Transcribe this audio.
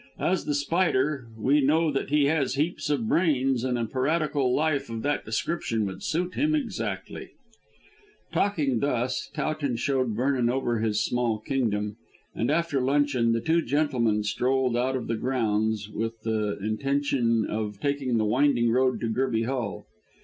As The Spider, we know that he has heaps of brains, and a piratical life of that description would suit him exactly." Talking thus, Towton showed Vernon over his small kingdom, and after luncheon the two gentlemen strolled out of the grounds with the intention of taking the winding road to Gerby Hall.